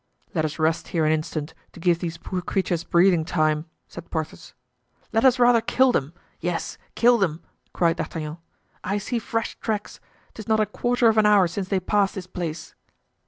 "Let us rest here an instant to give these poor creatures breathing time," said Porthos. "Let us rather kill them! yes, kill them!" cried D'Artagnan; "I see fresh tracks; 'tis not a quarter of an hour since they passed this place."